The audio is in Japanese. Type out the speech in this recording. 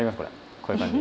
こういう感じ。